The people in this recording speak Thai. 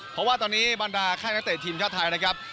เพราะว่าตอนนี้บรรดาค่ายนักเตะทีมชาติไทยนะครับ